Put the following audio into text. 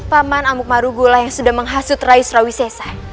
paman amuk maruguh lah yang sudah menghasut rai surawi sesa